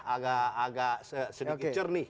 agak sedikit cernih